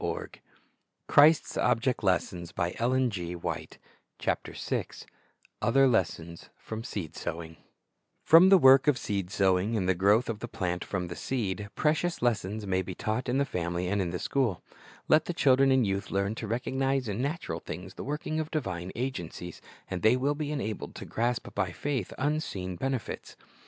\rts 15 : 14 : Rev. 18 : i Other Lessons fi^om S eed S owing TT^ROM the work of seed sowing and the growth of the plant from the seed, precious lessons may be taught in the family and the school. Let the children and youth learn to recognize in natural things the working of divine agencies, and they will be enabled to grasp by faith unseen benefits.